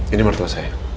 ini mertua saya